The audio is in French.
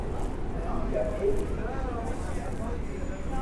Il y a peu de constructions récentes.